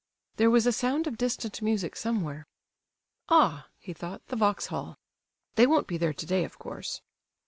There was a sound of distant music somewhere. "Ah," he thought, "the Vauxhall! They won't be there today, of course!"